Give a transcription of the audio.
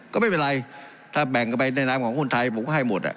ก็ไม่เป็นไรถ้าแบ่งกันไปในนามของคนไทยผมก็ให้หมด